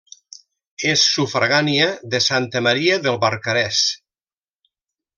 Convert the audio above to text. És sufragània de Santa Maria del Barcarès.